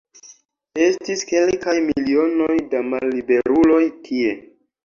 Estis kelkaj milionoj da malliberuloj tie.